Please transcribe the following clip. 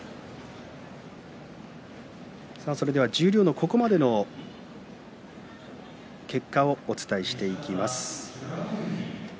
十両のここまでの結果をお伝えします。